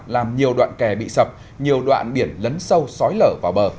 làm nhiều đoạn kè bị sập nhiều đoạn biển lấn sâu sói lở vào bờ